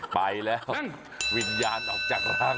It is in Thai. ไปแล้ววิญญาณออกจากร่าง